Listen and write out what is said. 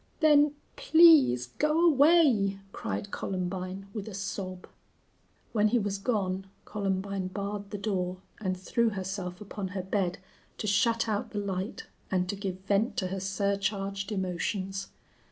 "Then please go away!" cried Columbine, with a sob. When he was gone Columbine barred the door and threw herself upon her bed to shut out the light and to give vent to her surcharged emotions.